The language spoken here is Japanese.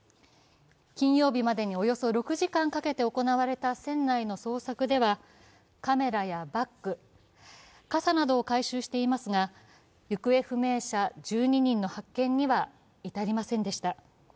金曜日までにおよそ６時間かけて行われた船内の捜索ではカメラやバッグ、傘などを回収していますが行方不明者１２人の発見には至りませんでした。